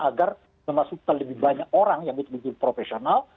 agar memasukkan lebih banyak orang yang menjadi profesional